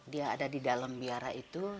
dia ada di dalam biara itu